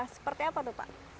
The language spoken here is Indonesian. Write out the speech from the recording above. seperti apa tuh pak